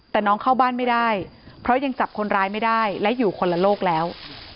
แต่น้องเข้าบ้านไม่ได้เพราะยังจับคนร้ายไม่ได้และอยู่คนละโลกแล้ว